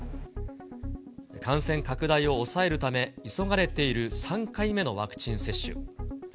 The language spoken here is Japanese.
感染拡大を抑えるため、急がれている３回目のワクチン接種。